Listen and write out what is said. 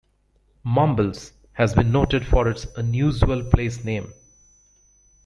Mumbles has been noted for its unusual place name.